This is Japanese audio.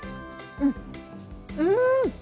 うん！